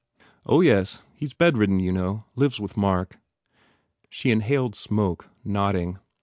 "Oh, yes. He s bedridden, you know? Lives with Mark." She inhaled smoke, nodding.